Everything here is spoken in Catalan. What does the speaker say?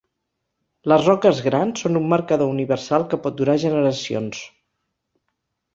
Les roques grans són un marcador universal que pot durar generacions.